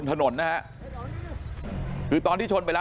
สุดท้ายเนี่ยขี่รถหน้าที่ก็ไม่ยอมหยุดนะฮะ